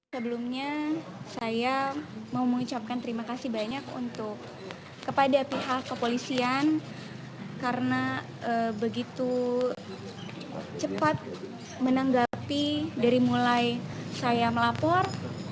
sebelumnya saya mau mengucapkan terima kasih banyak untuk kepada pihak kepolisian karena begitu cepat menanggapi dari mulai saya melapor